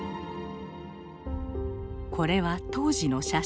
これは当時の写真。